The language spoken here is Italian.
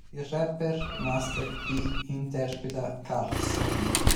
Il rapper Master P interpreta Carlson.